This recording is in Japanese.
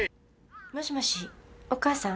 もしもしお母さん？